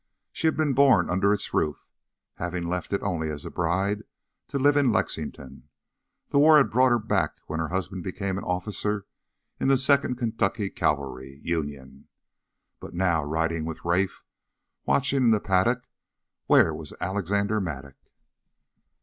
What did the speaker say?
She had been born under its roof, having left it only as a bride to live in Lexington. The war had brought her back when her husband became an officer in the Second Kentucky Cavalry Union. But now riding with Rafe, watching in the paddock where was Alexander Mattock?